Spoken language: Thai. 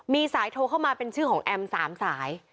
มีสายโทรเข้ามาเป็นชื่อของแอม๓สาย